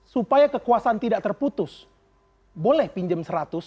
supaya kekuasaan tidak terputus boleh pinjam seratus